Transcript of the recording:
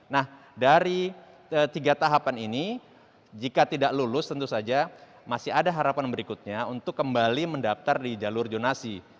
nah dari tiga tahapan ini jika tidak lulus tentu saja masih ada harapan berikutnya untuk kembali mendaftar di jalur jonasi